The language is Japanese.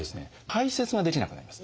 排せつができなくなります。